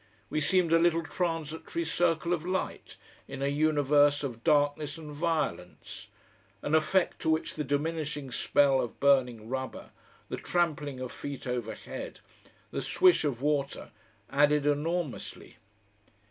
We seemed a little transitory circle of light in a universe of darkness and violence; an effect to which the diminishing smell of burning rubber, the trampling of feet overhead, the swish of water, added enormously.